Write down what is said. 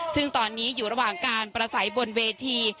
ซึ่งตอนนี้อยู่ระหว่างการประสัยบนเวที